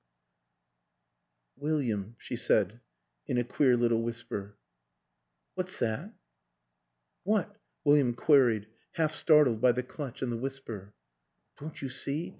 70 WILLIAM AN ENGLISHMAN " William," she said in a queer little whisper, "what's that?" "What?" William queried, half startled by the clutch and the whisper. "Don't you see?